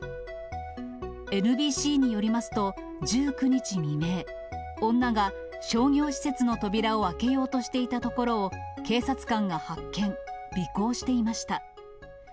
ＮＢＣによりますと、１９日未明、女が商業施設の扉を開けようとしていたところを、警察官が発見、尾行していました。